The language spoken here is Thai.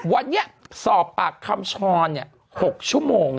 วันนี้สอบปากคำช้อน๖ชั่วโมง